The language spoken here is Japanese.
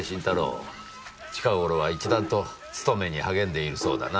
近頃は一段と勤めに励んでいるそうだな。